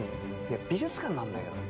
美術館なんだけど。